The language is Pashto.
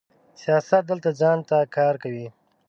سیاست دلته ځان ته کار کوي.